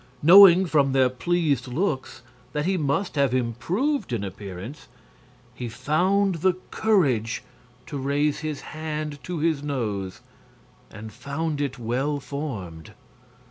Knowing from their pleased looks that he must have improved in appearance, he found courage to raise his hand to his nose, and found it well formed.